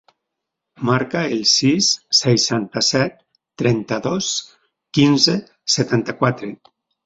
Marca el sis, seixanta-set, trenta-dos, quinze, setanta-quatre.